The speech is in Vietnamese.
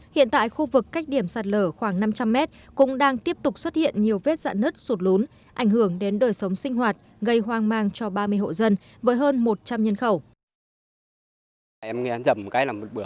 hiện tại khu vực cách điểm sạt lở khoảng năm trăm linh mét cũng đang tiếp tục xuất hiện nhiều vết dạ nứt sụt lốn ảnh hưởng đến đời sống sinh hoạt gây hoang mang cho ba mươi hộ dân với hơn một trăm linh nhân khẩu